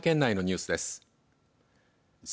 広島県内のニュースです。